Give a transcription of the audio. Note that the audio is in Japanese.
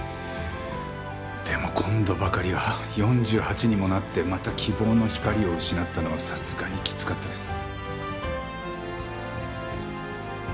でも今度ばかりは４８にもなってまた希望の光を失ったのはさすがにきつかったです。